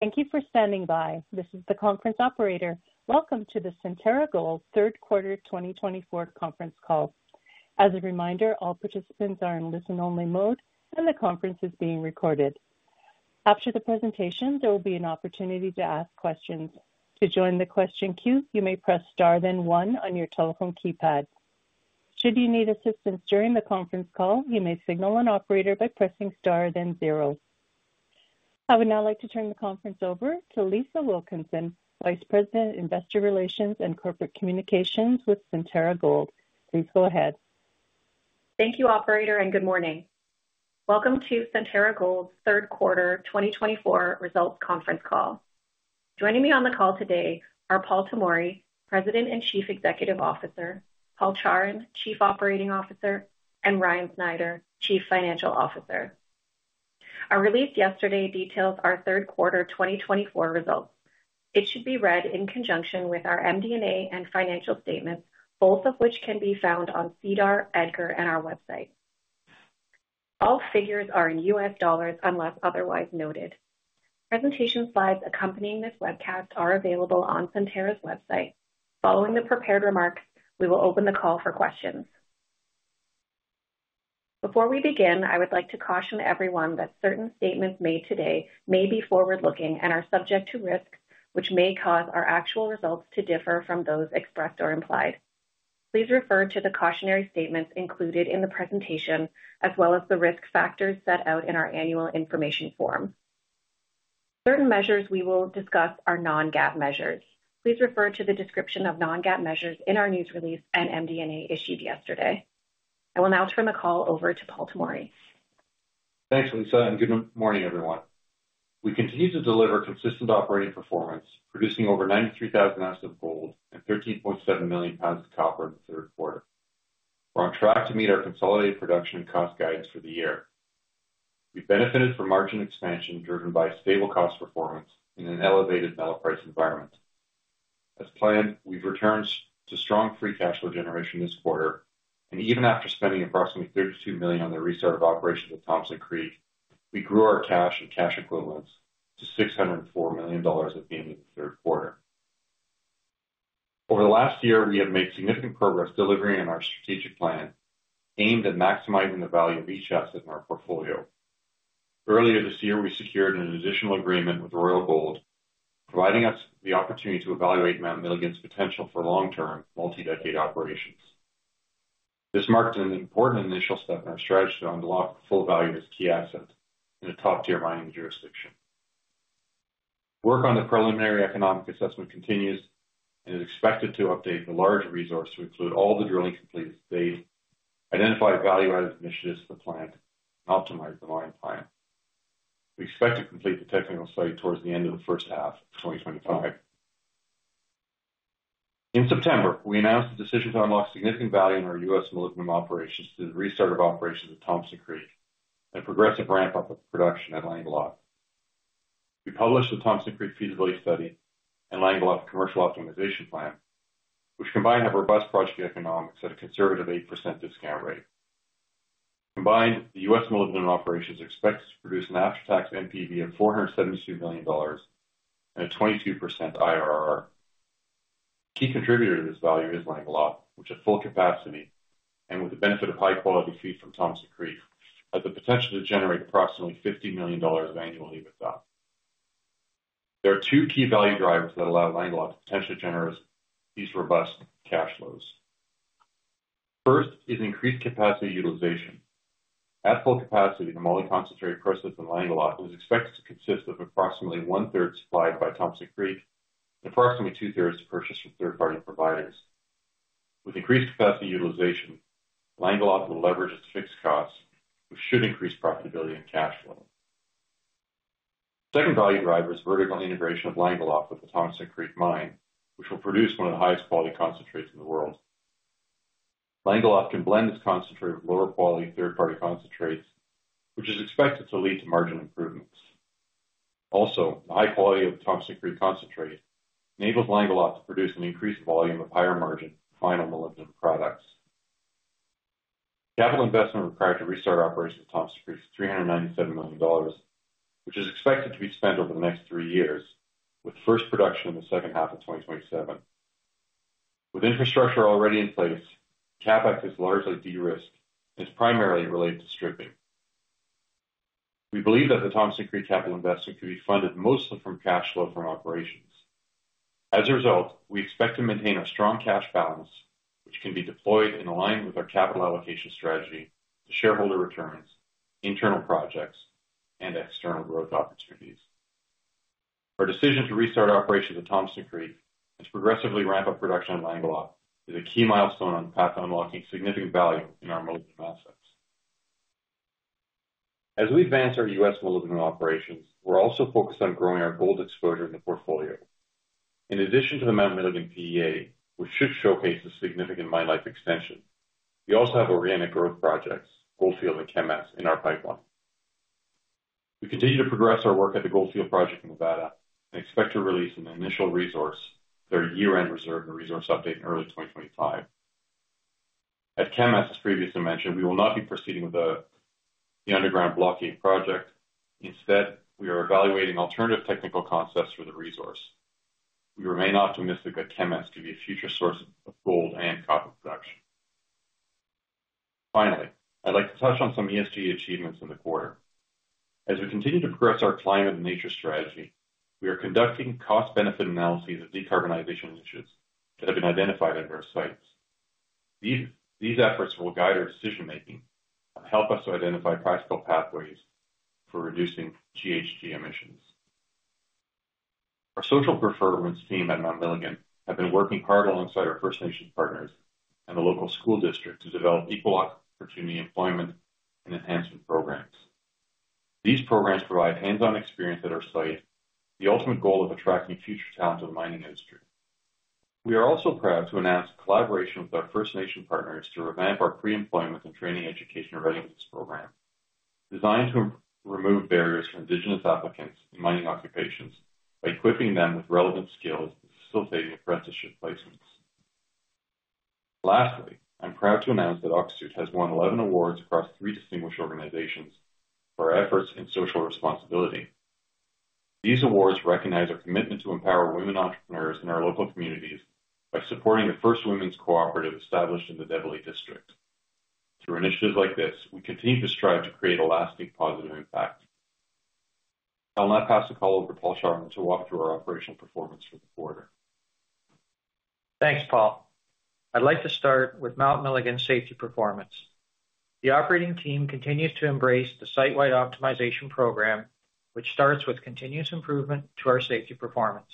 Thank you for standing by. This is the conference operator. Welcome to the Centerra Gold Third Quarter 2024 Conference Call. As a reminder, all participants are in listen-only mode, and the conference is being recorded. After the presentation, there will be an opportunity to ask questions. To join the question queue, you may press star one on your telephone keypad. Should you need assistance during the conference call, you may signal an operator by pressing star zero. I would now like to turn the conference over to Lisa Wilkinson, Vice President, Investor Relations and Corporate Communications with Centerra Gold. Please go ahead. Thank you, Operator, and good morning. Welcome to Centerra Gold Third Quarter 2024 Results Conference Call. Joining me on the call today are Paul Tomory, President and Chief Executive Officer, Paul Chawrun, Chief Operating Officer, and Ryan Snyder, Chief Financial Officer. Our release yesterday details our third quarter 2024 results. It should be read in conjunction with our MD&A and financial statements, both of which can be found on SEDAR, EDGAR, and our website. All figures are in U.S. dollars unless otherwise noted. Presentation slides accompanying this webcast are available on Centerra's website. Following the prepared remarks, we will open the call for questions. Before we begin, I would like to caution everyone that certain statements made today may be forward-looking and are subject to risks which may cause our actual results to differ from those expressed or implied. Please refer to the cautionary statements included in the presentation, as well as the risk factors set out in our annual information form. Certain measures we will discuss are non-GAAP measures. Please refer to the description of non-GAAP measures in our news release and MD&A issued yesterday. I will now turn the call over to Paul Tomory. Thanks, Lisa, and good morning, everyone. We continue to deliver consistent operating performance, producing over 93,000 ounces of gold and 13.7 million pounds of copper in the third quarter. We're on track to meet our consolidated production and cost guidance for the year. We benefited from margin expansion driven by stable cost performance in an elevated metal price environment. As planned, we've returned to strong free cash flow generation this quarter, and even after spending approximately $32 million on the restart of operations at Thompson Creek, we grew our cash and cash equivalents to $604 million at the end of the third quarter. Over the last year, we have made significant progress delivering on our strategic plan aimed at maximizing the value of each asset in our portfolio. Earlier this year, we secured an additional agreement with Royal Gold, providing us the opportunity to evaluate Mount Milligan's potential for long-term, multi-decade operations. This marked an important initial step in our strategy to unlock full value as a key asset in a top-tier mining jurisdiction. Work on the preliminary economic assessment continues and is expected to update the large resource to include all the drilling completed to date, identify value-added initiatives to the plant, and optimize the mine plan. We expect to complete the technical study towards the end of the first half of 2025. In September, we announced the decision to unlock significant value in our U.S. molybdenum operations through the restart of operations at Thompson Creek and a progressive ramp-up of production at Langeloth. We published the Thompson Creek feasibility study and Langeloth commercial optimization plan, which combined have robust project economics at a conservative 8% discount rate. Combined, the U.S. molybdenum operations are expected to produce an after-tax NPV of $472 million and a 22% IRR. A key contributor to this value is Langeloth, which at full capacity and with the benefit of high-quality feed from Thompson Creek has the potential to generate approximately $50 million of annual EBITDA. There are two key value drivers that allow Langeloth to potentially generate these robust cash flows. First is increased capacity utilization. At full capacity, the molybdenum concentrate process in Langeloth is expected to consist of approximately one-third supplied by Thompson Creek and approximately two-thirds purchased from third-party providers. With increased capacity utilization, Langeloth will leverage its fixed costs, which should increase profitability and cash flow. The second value driver is vertical integration of Langeloth with the Thompson Creek mine, which will produce one of the highest quality concentrates in the world. Langeloth can blend its concentrate with lower quality third-party concentrates, which is expected to lead to margin improvements. Also, the high quality of the Thompson Creek concentrate enables Langeloth to produce an increased volume of higher margin final molybdenum products. Capital investment required to restart operations at Thompson Creek is $397 million, which is expected to be spent over the next three years, with first production in the second half of 2027. With infrastructure already in place, CapEx is largely de-risked and is primarily related to stripping. We believe that the Thompson Creek capital investment can be funded mostly from cash flow from operations. As a result, we expect to maintain a strong cash balance, which can be deployed in alignment with our capital allocation strategy, the shareholder returns, internal projects, and external growth opportunities. Our decision to restart operations at Thompson Creek and to progressively ramp up production at Langeloth is a key milestone on the path to unlocking significant value in our molybdenum assets. As we advance our U.S. molybdenum operations, we're also focused on growing our gold exposure in the portfolio. In addition to the Mount Milligan PEA, which should showcase a significant mine life extension, we also have organic growth projects, Goldfield and Kemess, in our pipeline. We continue to progress our work at the Goldfield project in Nevada and expect to release an initial resource with our year-end reserve and resource update in early 2025. As Kemess previously mentioned, we will not be proceeding with the underground blocking project. Instead, we are evaluating alternative technical concepts for the resource. We remain optimistic that Kemess could be a future source of gold and copper production. Finally, I'd like to touch on some ESG achievements in the quarter. As we continue to progress our climate and nature strategy, we are conducting cost-benefit analyses of decarbonization issues that have been identified at our sites. These efforts will guide our decision-making and help us to identify practical pathways for reducing GHG emissions. Our social performance team at Mount Milligan has been working hard alongside our First Nation partners and the local school district to develop equal opportunity employment and enhancement programs. These programs provide hands-on experience at our site, the ultimate goal of attracting future talent to the mining industry. We are also proud to announce collaboration with our First Nation partners to revamp our pre-employment and training education readiness program, designed to remove barriers for Indigenous applicants in mining occupations by equipping them with relevant skills to facilitate apprenticeship placements. Lastly, I'm proud to announce that Öksüt has won 11 awards across three distinguished organizations for our efforts in social responsibility. These awards recognize our commitment to empower women entrepreneurs in our local communities by supporting the first women's cooperative established in the Develi district. Through initiatives like this, we continue to strive to create a lasting positive impact. I'll now pass the call over to Paul Chawrun to walk through our operational performance for the quarter. Thanks, Paul. I'd like to start with Mount Milligan's safety performance. The operating team continues to embrace the site-wide optimization program, which starts with continuous improvement to our safety performance.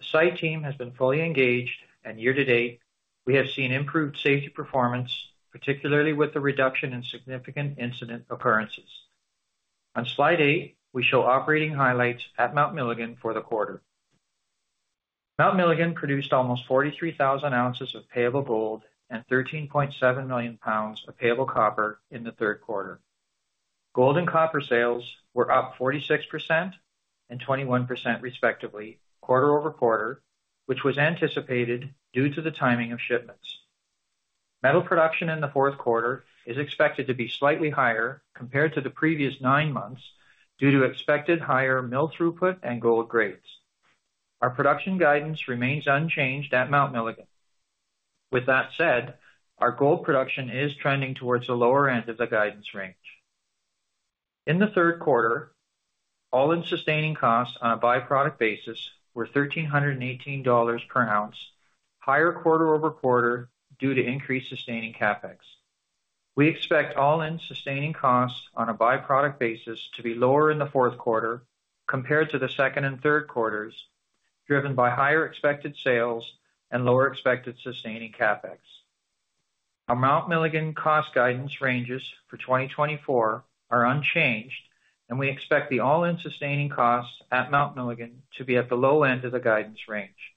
The site team has been fully engaged, and year to date, we have seen improved safety performance, particularly with the reduction in significant incident occurrences. On slide 8, we show operating highlights at Mount Milligan for the quarter. Mount Milligan produced almost 43,000 ounces of payable gold and 13.7 million pounds of payable copper in the third quarter. Gold and copper sales were up 46% and 21% respectively, quarter-over-quarter, which was anticipated due to the timing of shipments. Metal production in the fourth quarter is expected to be slightly higher compared to the previous nine months due to expected higher mill throughput and gold grades. Our production guidance remains unchanged at Mount Milligan. With that said, our gold production is trending towards the lower end of the guidance range. In the third quarter, all-in sustaining costs on a byproduct basis were $1,318 per ounce, higher quarter over quarter due to increased sustaining CapEx. We expect all-in sustaining costs on a byproduct basis to be lower in the fourth quarter compared to the second and third quarters, driven by higher expected sales and lower expected sustaining CapEx. Our Mount Milligan cost guidance ranges for 2024 are unchanged, and we expect the all-in sustaining costs at Mount Milligan to be at the low end of the guidance range.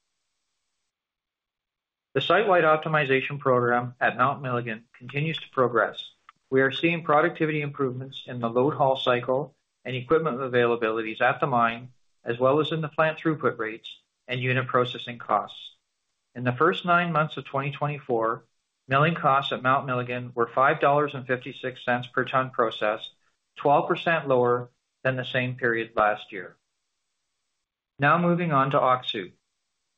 The site-wide optimization program at Mount Milligan continues to progress. We are seeing productivity improvements in the load haul cycle and equipment availabilities at the mine, as well as in the plant throughput rates and unit processing costs. In the first nine months of 2024, milling costs at Mount Milligan were $5.56 per ton process, 12% lower than the same period last year. Now moving on to Öksüt.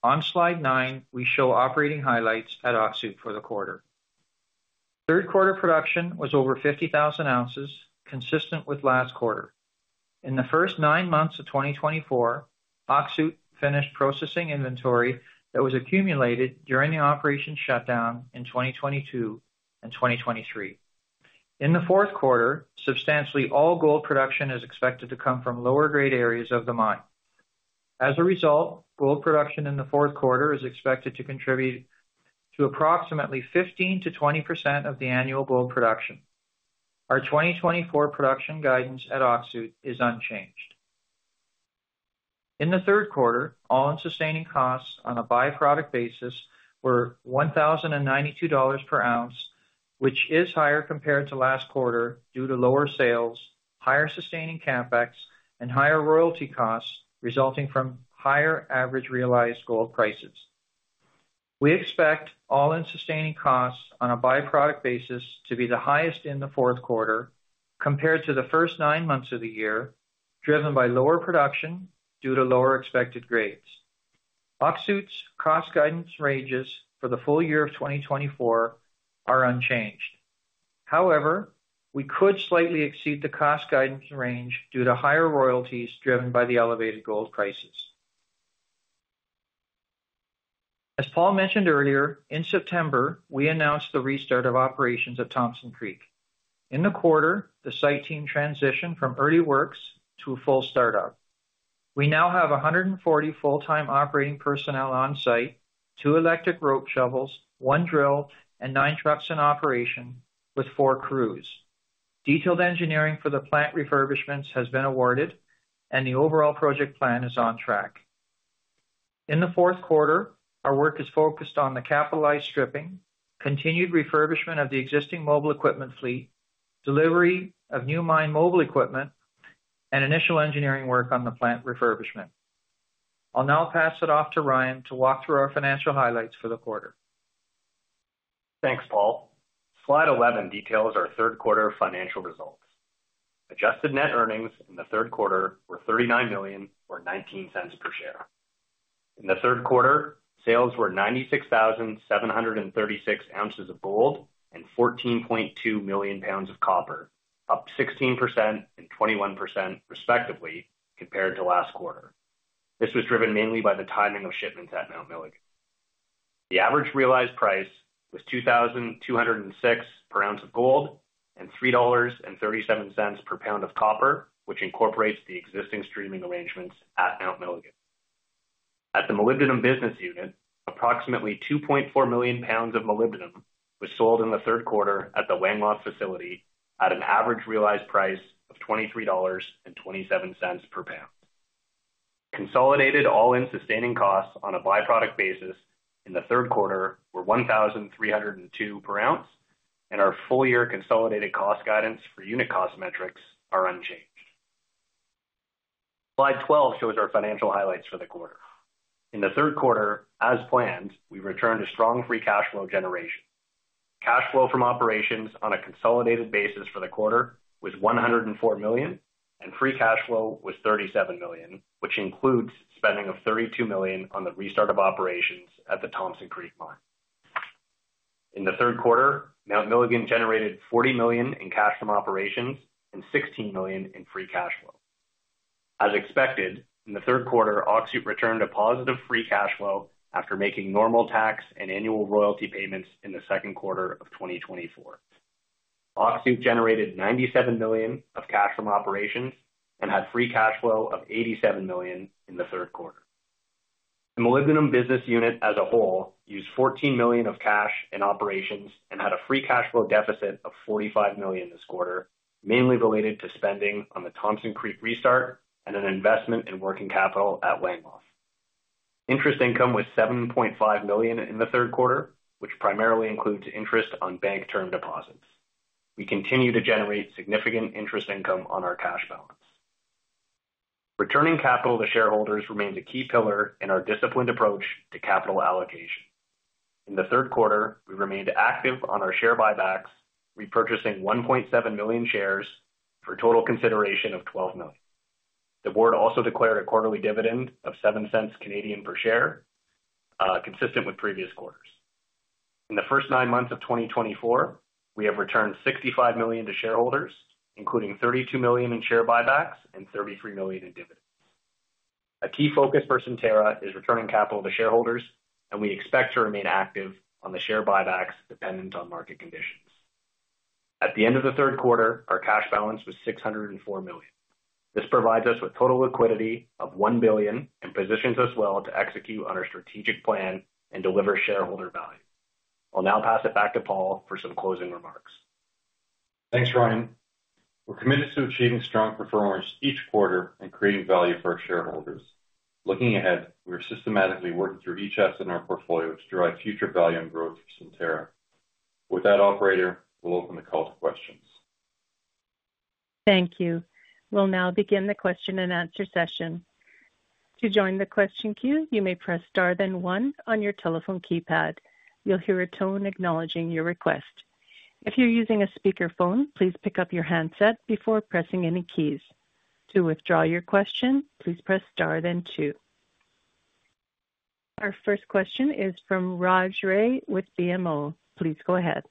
On slide 9, we show operating highlights at Öksüt for the quarter. Third quarter production was over 50,000 ounces, consistent with last quarter. In the first nine months of 2024, Öksüt finished processing inventory that was accumulated during the operation shutdown in 2022 and 2023. In the fourth quarter, substantially all gold production is expected to come from lower-grade areas of the mine. As a result, gold production in the fourth quarter is expected to contribute to approximately 15%-20 of the annual gold production. Our 2024 production guidance at Öksüt is unchanged. In the third quarter, all-in sustaining costs on a byproduct basis were $1,092 per ounce, which is higher compared to last quarter due to lower sales, higher sustaining CapEx, and higher royalty costs resulting from higher average realized gold prices. We expect all-in sustaining costs on a byproduct basis to be the highest in the fourth quarter compared to the first nine months of the year, driven by lower production due to lower expected grades. Öksüt's cost guidance ranges for the full year of 2024 are unchanged. However, we could slightly exceed the cost guidance range due to higher royalties driven by the elevated gold prices. As Paul mentioned earlier, in September, we announced the restart of operations at Thompson Creek. In the quarter, the site team transitioned from early works to a full startup. We now have 140 full-time operating personnel on site, two electric rope shovels, one drill, and nine trucks in operation with four crews. Detailed engineering for the plant refurbishments has been awarded, and the overall project plan is on track. In the fourth quarter, our work is focused on the capitalized stripping, continued refurbishment of the existing mobile equipment fleet, delivery of new mine mobile equipment, and initial engineering work on the plant refurbishment. I'll now pass it off to Ryan to walk through our financial highlights for the quarter. Thanks, Paul. Slide 11 details our third quarter financial results. Adjusted net earnings in the third quarter were $39 million or $0.19 per share. In the third quarter, sales were 96,736 ounces of gold and 14.2 million pounds of copper, up 16% and 21 respectively compared to last quarter. This was driven mainly by the timing of shipments at Mount Milligan. The average realized price was $2,206 per ounce of gold and $3.37 per pound of copper, which incorporates the existing streaming arrangements at Mount Milligan. At the molybdenum business unit, approximately 2.4 million pounds of molybdenum was sold in the third quarter at the Langeloth facility at an average realized price of $23.27 per pound. Consolidated all-in sustaining costs on a byproduct basis in the third quarter were $1,302 per ounce, and our full-year consolidated cost guidance for unit cost metrics are unchanged. Slide 12 shows our financial highlights for the quarter. In the third quarter, as planned, we returned to strong free cash flow generation. Cash flow from operations on a consolidated basis for the quarter was $104 million, and free cash flow was $37 million, which includes spending of $32 million on the restart of operations at the Thompson Creek mine. In the third quarter, Mount Milligan generated $40 million in cash from operations and $16 million in free cash flow. As expected, in the third quarter, Öksüt returned a positive free cash flow after making normal tax and annual royalty payments in the second quarter of 2024. Öksüt generated $97 million of cash from operations and had free cash flow of $87 million in the third quarter. The molybdenum business unit as a whole used $14 million of cash in operations and had a free cash flow deficit of $45 million this quarter, mainly related to spending on the Thompson Creek restart and an investment in working capital at Langeloth. Interest income was $7.5 million in the third quarter, which primarily includes interest on bank term deposits. We continue to generate significant interest income on our cash balance. Returning capital to shareholders remains a key pillar in our disciplined approach to capital allocation. In the third quarter, we remained active on our share buybacks, repurchasing 1.7 million shares for a total consideration of $12 million. The board also declared a quarterly dividend of 0.07 per share, consistent with previous quarters. In the first nine months of 2024, we have returned $65 million to shareholders, including $32 million in share buybacks and $33 million in dividends. A key focus for Centerra is returning capital to shareholders, and we expect to remain active on the share buybacks dependent on market conditions. At the end of the third quarter, our cash balance was $604 million. This provides us with total liquidity of $1 billion and positions us well to execute on our strategic plan and deliver shareholder value. I'll now pass it back to Paul for some closing remarks. Thanks, Ryan. We're committed to achieving strong performance each quarter and creating value for our shareholders. Looking ahead, we are systematically working through each asset in our portfolio to drive future value and growth for Centerra. With that, Operator, we'll open the call to questions. Thank you. We'll now begin the question and answer session. To join the question queue, you may press star then one on your telephone keypad. You'll hear a tone acknowledging your request. If you're using a speakerphone, please pick up your handset before pressing any keys. To withdraw your question, please press star then two. Our first question is from Raj Ray with BMO. Please go ahead.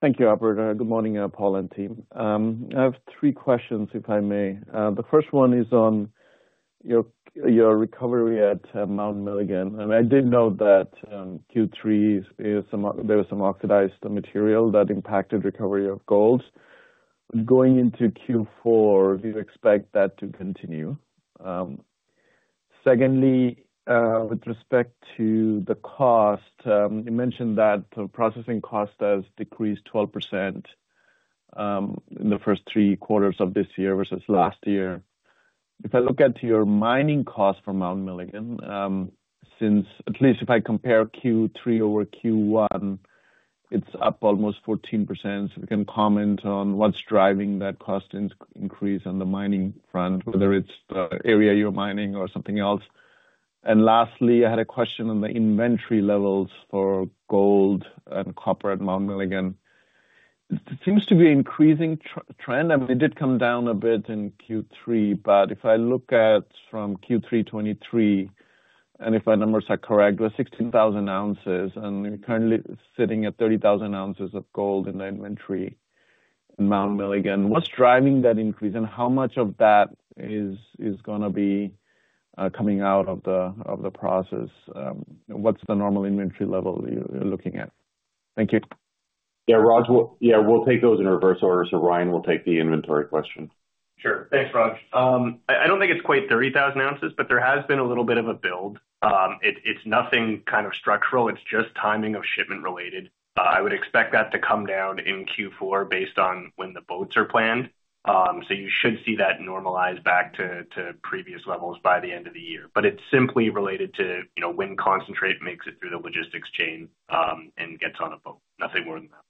Thank you, Operator. Good morning, Paul and team. I have three questions, if I may. The first one is on your recovery at Mount Milligan. I did note that Q3 there was some oxidized material that impacted recovery of gold. Going into Q4, do you expect that to continue? Secondly, with respect to the cost, you mentioned that the processing cost has decreased 12% in the first three quarters of this year versus last year. If I look at your mining cost for Mount Milligan, at least if I compare Q3 over Q1, it's up almost 14%. If you can comment on what's driving that cost increase on the mining front, whether it's the area you're mining or something else. And lastly, I had a question on the inventory levels for gold and copper at Mount Milligan. It seems to be an increasing trend. I mean, it did come down a bit in Q3, but if I look at from Q3 2023, and if my numbers are correct, it was 16,000 ounces, and you're currently sitting at 30,000 ounces of gold in the inventory in Mount Milligan. What's driving that increase, and how much of that is going to be coming out of the process? What's the normal inventory level you're looking at? Thank you. Yeah, Raj, yeah, we'll take those in reverse order, so Ryan will take the inventory question. Sure. Thanks, Raj. I don't think it's quite 30,000 ounces, but there has been a little bit of a build. It's nothing kind of structural. It's just timing of shipment related. I would expect that to come down in Q4 based on when the boats are planned. So you should see that normalize back to previous levels by the end of the year. But it's simply related to when concentrate makes it through the logistics chain and gets on a boat. Nothing more than that.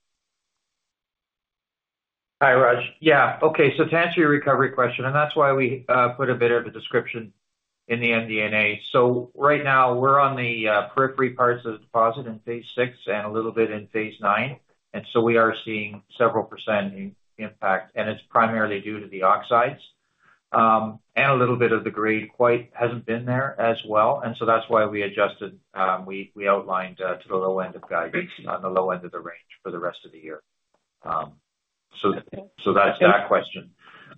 Hi, Raj. Yeah. Okay. So to answer your recovery question, and that's why we put a bit of a description in the MD&A. So right now, we're on the periphery parts of the deposit in phase six and a little bit in phase nine. And so we are seeing several percent impact, and it's primarily due to the oxides. And a little bit of the grade quality hasn't been there as well. And so that's why we adjusted. We outlined to the low end of guidance on the low end of the range for the rest of the year. So that's that question.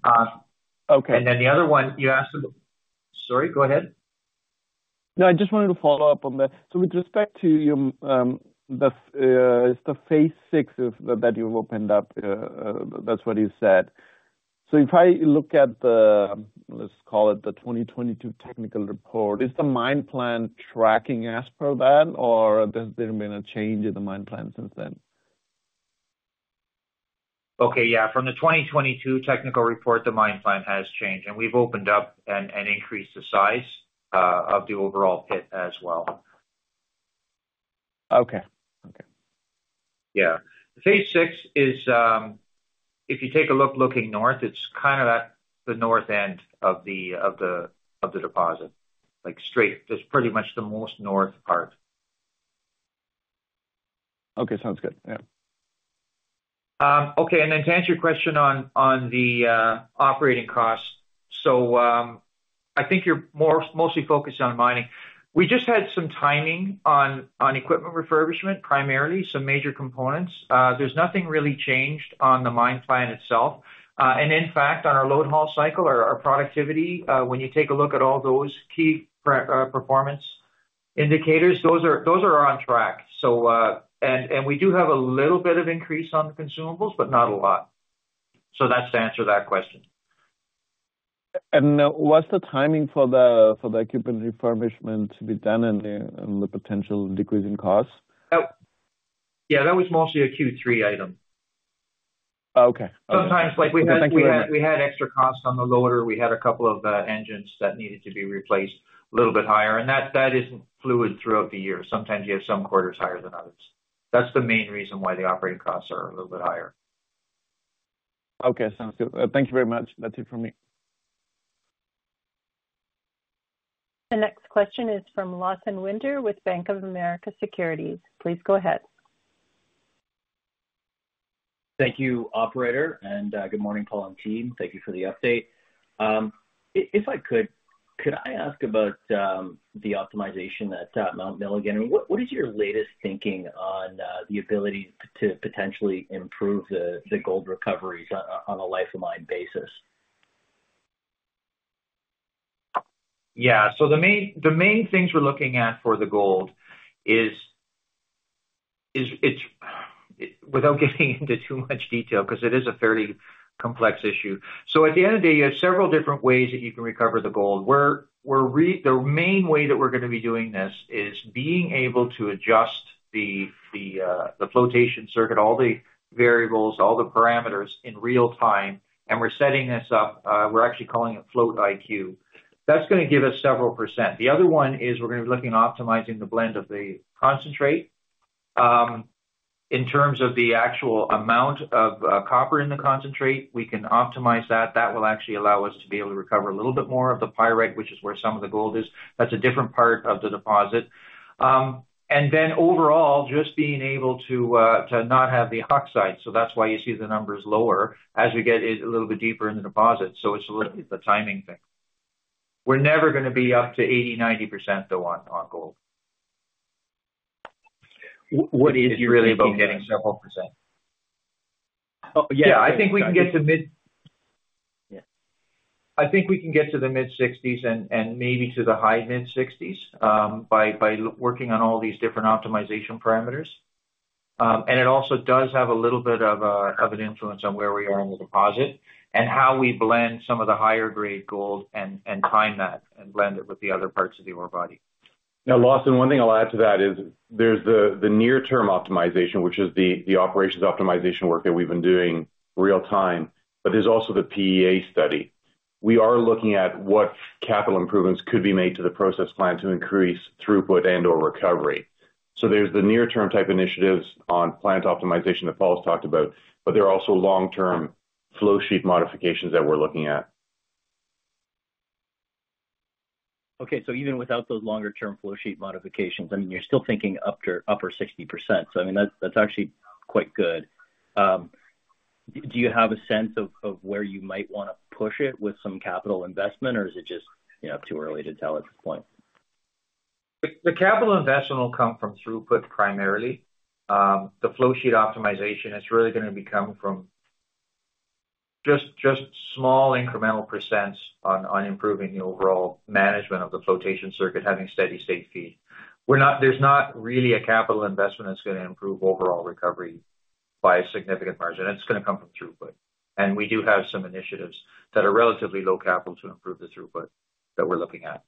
And then the other one, you asked, sorry, go ahead. No, I just wanted to follow up on that. So with respect to the phase six that you've opened up, that's what you said. So if I look at the, let's call it, the 2022 technical report, is the mine plan tracking as per that, or has there been a change in the mine plan since then? Okay. Yeah. From the 2022 technical report, the mine plan has changed, and we've opened up and increased the size of the overall pit as well. Okay. Okay. Yeah. Phase six is, if you take a look looking north, it's kind of at the north end of the deposit. Straight, it's pretty much the most north part. Okay. Sounds good. Yeah. Okay, and then to answer your question on the operating costs, so I think you're mostly focused on mining. We just had some timing on equipment refurbishment, primarily, some major components. There's nothing really changed on the mine plan itself, and in fact, on our load haul cycle, our productivity, when you take a look at all those key performance indicators, those are on track, and we do have a little bit of increase on the consumables, but not a lot, so that's to answer that question. Was the timing for the equipment refurbishment to be done and the potential decrease in cost? Yeah. That was mostly a Q3 item. Okay. Sometimes we had extra costs on the loader. We had a couple of engines that needed to be replaced a little bit higher. And that isn't fluid throughout the year. Sometimes you have some quarters higher than others. That's the main reason why the operating costs are a little bit higher. Okay. Sounds good. Thank you very much. That's it for me. The next question is from Lawson Winder with Bank of America Securities. Please go ahead. Thank you, Operator. And good morning, Paul and team. Thank you for the update. If I could, could I ask about the optimization at Mount Milligan? What is your latest thinking on the ability to potentially improve the gold recoveries on a life-of-mine basis? Yeah. So the main things we're looking at for the gold is, without getting into too much detail, because it is a fairly complex issue. So at the end of the day, you have several different ways that you can recover the gold. The main way that we're going to be doing this is being able to adjust the flotation circuit, all the variables, all the parameters in real time. And we're setting this up. We're actually calling it Float IQ. That's going to give us several percent. The other one is we're going to be looking at optimizing the blend of the concentrate. In terms of the actual amount of copper in the concentrate, we can optimize that. That will actually allow us to be able to recover a little bit more of the pyrite, which is where some of the gold is. That's a different part of the deposit. And then overall, just being able to not have the oxides. So that's why you see the numbers lower as we get a little bit deeper in the deposit. So it's the timing thing. We're never going to be up to 80%-90, though, on gold. What is your thinking? It's really about getting several %. Yeah. I think we can get to mid, yeah. I think we can get to the mid-60s and maybe to the high mid-60s by working on all these different optimization parameters, and it also does have a little bit of an influence on where we are in the deposit and how we blend some of the higher-grade gold and time that and blend it with the other parts of the ore body. Now, Lawson, one thing I'll add to that is there's the near-term optimization, which is the operations optimization work that we've been doing real time, but there's also the PEA study. We are looking at what capital improvements could be made to the process plant to increase throughput and/or recovery, so there's the near-term type initiatives on plant optimization that Paul's talked about, but there are also long-term flowsheet modifications that we're looking at. Okay. So even without those longer-term flowsheet modifications, I mean, you're still thinking upper 60%. So I mean, that's actually quite good. Do you have a sense of where you might want to push it with some capital investment, or is it just too early to tell at this point? The capital investment will come from throughput primarily. The flowsheet optimization, it's really going to be coming from just small incremental percents on improving the overall management of the flotation circuit, having steady state feed. There's not really a capital investment that's going to improve overall recovery by a significant margin. It's going to come from throughput. And we do have some initiatives that are relatively low capital to improve the throughput that we're looking at.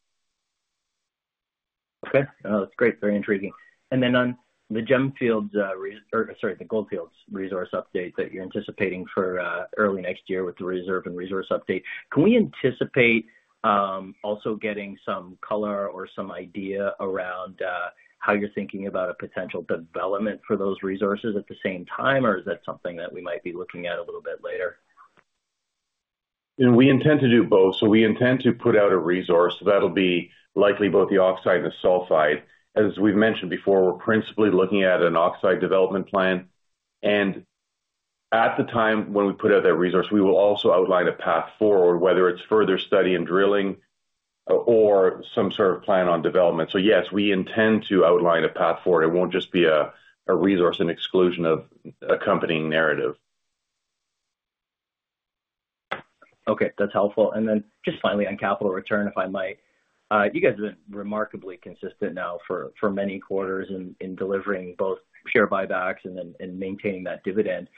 Okay. That's great. Very intriguing. And then on the Goldfield—or sorry, the Goldfield resource update that you're anticipating for early next year with the reserve and resource update, can we anticipate also getting some color or some idea around how you're thinking about a potential development for those resources at the same time, or is that something that we might be looking at a little bit later? And we intend to do both. So we intend to put out a resource that'll be likely both the oxide and the sulfide. As we've mentioned before, we're principally looking at an oxide development plan. And at the time when we put out that resource, we will also outline a path forward, whether it's further study and drilling or some sort of plan on development. So yes, we intend to outline a path forward. It won't just be a resource and exclusion of accompanying narrative. Okay. That's helpful. And then just finally, on capital return, if I might, you guys have been remarkably consistent now for many quarters in delivering both share buybacks and maintaining that dividend.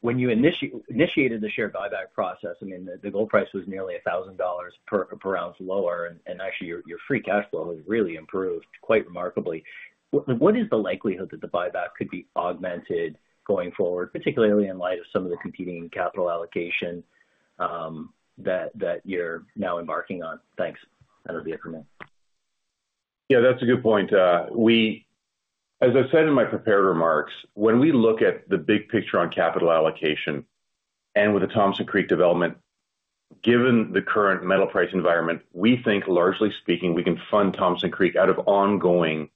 When you initiated the share buyback process, I mean, the gold price was nearly $1,000 per ounce lower, and actually, your free cash flow has really improved quite remarkably. What is the likelihood that the buyback could be augmented going forward, particularly in light of some of the competing capital allocation that you're now embarking on? Thanks. That'll be it for me. Yeah. That's a good point. As I said in my prepared remarks, when we look at the big picture on capital allocation and with the Thompson Creek development, given the current metal price environment, we think, largely speaking, we can fund Thompson Creek out of ongoing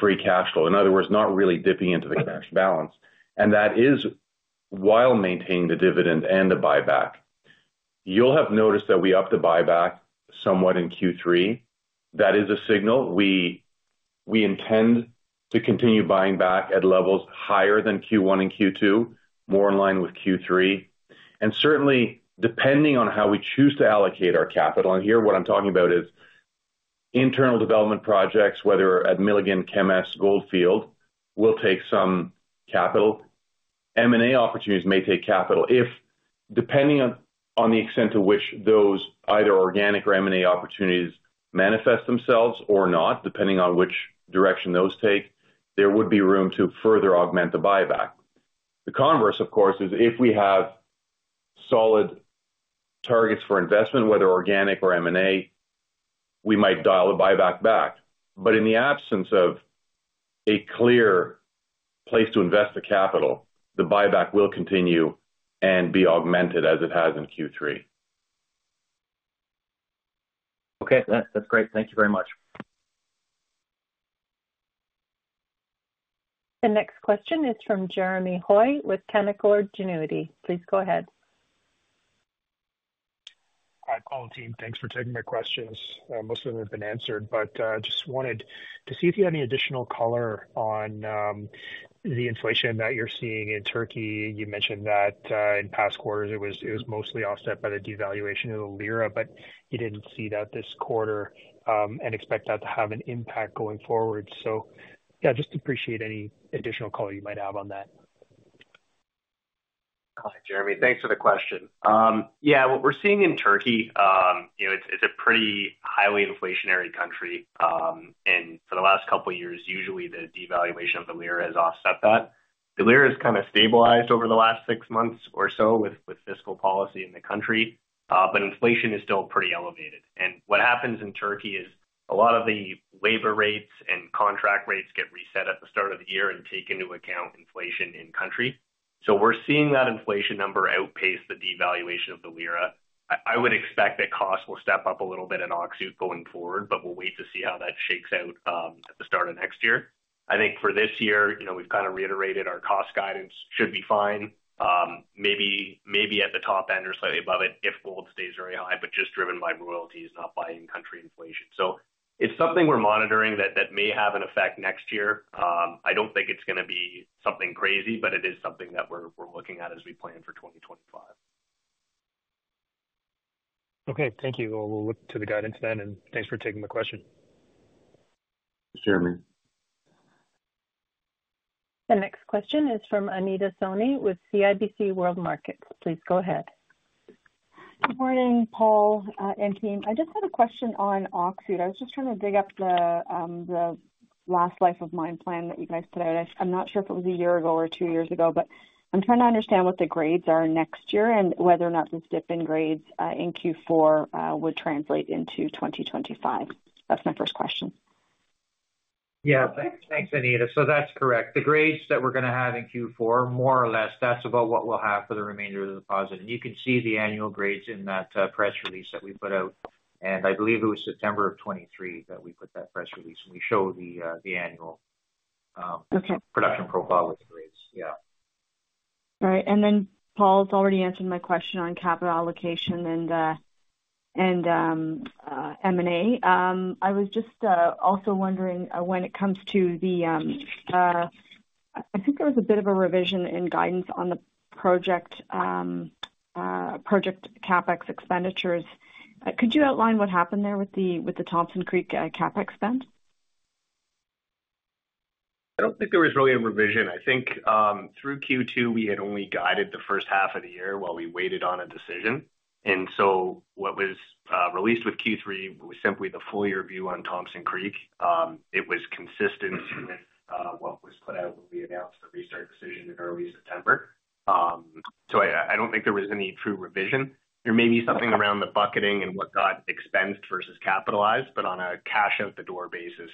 free cash flow. In other words, not really dipping into the cash balance. And that is while maintaining the dividend and the buyback. You'll have noticed that we upped the buyback somewhat in Q3. That is a signal. We intend to continue buying back at levels higher than Q1 and Q2, more in line with Q3. And certainly, depending on how we choose to allocate our capital here, what I'm talking about is internal development projects, whether at Milligan, Kemess, Goldfield, will take some capital. M&A opportunities may take capital if, depending on the extent to which those either organic or M&A opportunities manifest themselves or not, depending on which direction those take, there would be room to further augment the buyback. The converse, of course, is if we have solid targets for investment, whether organic or M&A, we might dial the buyback back. But in the absence of a clear place to invest the capital, the buyback will continue and be augmented as it has in Q3. Okay. That's great. Thank you very much. The next question is from Jeremy Hoy with Canaccord Genuity. Please go ahead. Hi, Paul and team. Thanks for taking my questions. Most of them have been answered, but just wanted to see if you had any additional color on the inflation that you're seeing in Turkey. You mentioned that in past quarters, it was mostly offset by the devaluation of the lira, but you didn't see that this quarter and expect that to have an impact going forward. So yeah, just appreciate any additional color you might have on that. Hi, Jeremy. Thanks for the question. Yeah. What we're seeing in Turkey, it's a pretty highly inflationary country. For the last couple of years, usually the devaluation of the lira has offset that. The lira has kind of stabilized over the last six months or so with fiscal policy in the country, but inflation is still pretty elevated. What happens in Turkey is a lot of the labor rates and contract rates get reset at the start of the year and take into account inflation in country. We're seeing that inflation number outpace the devaluation of the lira. I would expect that costs will step up a little bit in Öksüt going forward, but we'll wait to see how that shakes out at the start of next year. I think for this year, we've kind of reiterated our cost guidance should be fine, maybe at the top end or slightly above it if gold stays very high, but just driven by royalties, not by in-country inflation, so it's something we're monitoring that may have an effect next year. I don't think it's going to be something crazy, but it is something that we're looking at as we plan for 2025. Okay. Thank you. We'll look to the guidance then, and thanks for taking the question. Thanks, Jeremy. The next question is from Anita Soni with CIBC World Markets. Please go ahead. Good morning, Paul and team. I just had a question on Öksüt. I was just trying to dig up the last life of mine plan that you guys put out. I'm not sure if it was a year ago or two years ago, but I'm trying to understand what the grades are next year and whether or not the dip in grades in Q4 would translate into 2025. That's my first question. Yeah. Thanks, Anita. So that's correct. The grades that we're going to have in Q4, more or less, that's about what we'll have for the remainder of the deposit. And you can see the annual grades in that press release that we put out. And I believe it was September of 2023 that we put that press release. And we show the annual production profile with the grades. Yeah. All right. And then Paul's already answered my question on capital allocation and M&A. I was just also wondering when it comes to the, I think there was a bit of a revision in guidance on the project CapEx expenditures. Could you outline what happened there with the Thompson Creek CapEx spend? I don't think there was really a revision. I think through Q2, we had only guided the first half of the year while we waited on a decision. And so what was released with Q3 was simply the full year view on Thompson Creek. It was consistent with what was put out when we announced the restart decision in early September. So I don't think there was any true revision. There may be something around the bucketing and whatnot expensed versus capitalized, but on a cash-out-the-door basis,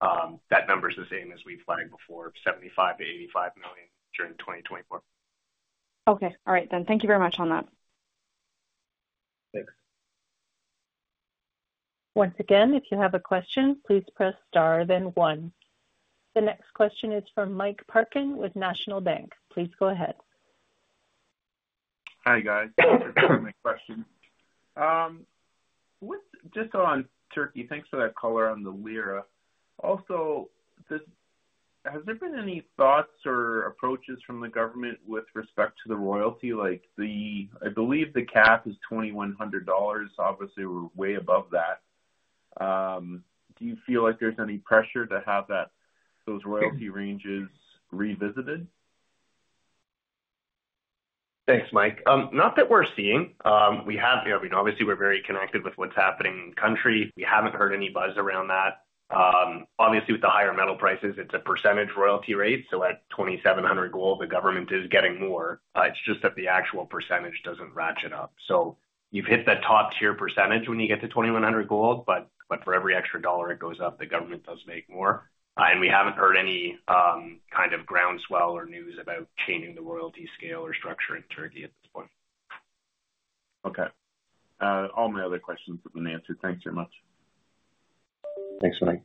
that number is the same as we flagged before: $75-85 million during 2024. Okay. All right, then. Thank you very much on that. Thanks. Once again, if you have a question, please press star, then one. The next question is from Mike Parkin with National Bank. Please go ahead. Hi, guys. My question. Just on Turkey, thanks for that color on the lira. Also, has there been any thoughts or approaches from the government with respect to the royalty? I believe the cap is $2,100. Obviously, we're way above that. Do you feel like there's any pressure to have those royalty ranges revisited? Thanks, Mike. Not that we're seeing. I mean, obviously, we're very connected with what's happening in the country. We haven't heard any buzz around that. Obviously, with the higher metal prices, it's a percentage royalty rate. So at 2,700 gold, the government is getting more. It's just that the actual percentage doesn't ratchet up. So you've hit that top-tier percentage when you get to 2,100 gold, but for every extra dollar it goes up, the government does make more. And we haven't heard any kind of groundswell or news about changing the royalty scale or structure in Turkey at this point. Okay. All my other questions have been answered. Thanks very much. Thanks, Mike.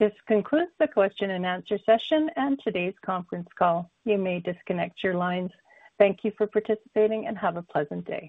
This concludes the question and answer session and today's conference call. You may disconnect your lines. Thank you for participating and have a pleasant day.